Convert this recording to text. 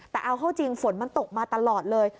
แต่เอาเข้าจริงฝนมันตกมาตลอดเลย